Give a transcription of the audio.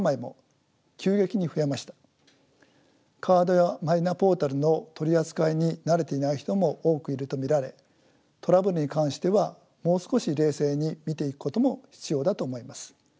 カードやマイナポータルの取り扱いに慣れていない人も多くいると見られトラブルに関してはもう少し冷静に見ていくことも必要だと思います。